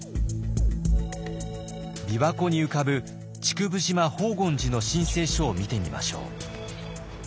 びわ湖に浮かぶ竹生島宝厳寺の申請書を見てみましょう。